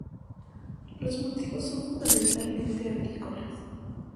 Los motivos son fundamentalmente agrícolas.